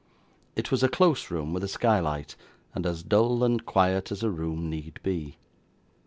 It was a close room with a skylight, and as dull and quiet as a room need be.